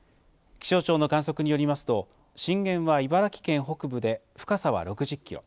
気象庁の観測によりますと、震源は茨城県北部で深さは６０キロ。